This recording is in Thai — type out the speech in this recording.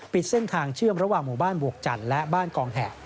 เส้นทางเชื่อมระหว่างหมู่บ้านบวกจันทร์และบ้านกองแหะ